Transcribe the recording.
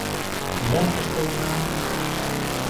— Мом ыштылынам?